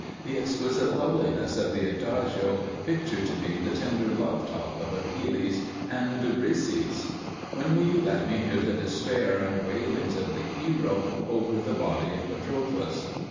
The exquisite loveliness of the Adagio pictured to me the tender love talk of Achilles and Briséis. When will you let me hear the despair and wailings of the hero over the body of Patroclus?"